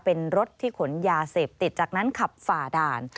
เป็นรถที่ขนยาเสพติดจากนั้นขับฝ่าด่าน